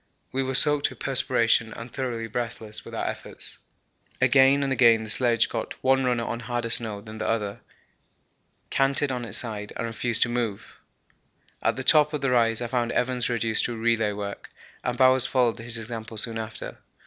We were soaked with perspiration and thoroughly breathless with our efforts. Again and again the sledge got one runner on harder snow than the other, canted on its side, and refused to move. At the top of the rise I found Evans reduced to relay work, and Bowers followed his example soon after.